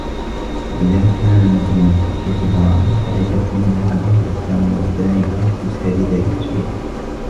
وَإِذَا كَانَتْ النُّفُوسُ كِبَارًا تَعِبَتْ فِي مُرَادِهَا الْأَجْسَامُ وَالدَّاعِي إلَى اسْتِسْهَالِ ذَلِكَ شَيْئَانِ